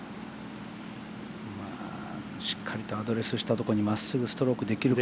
しっかりとアドレスしたところにまっすぐストロークできるか。